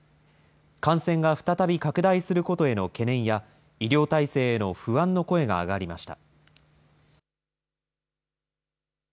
感染が再び拡大することへの懸念や、医療体制への不安の声が上がりました。